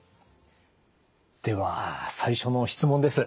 では最初の質問です。